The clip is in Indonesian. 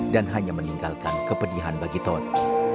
dan hanya meninggalkan kepedihan bagi tony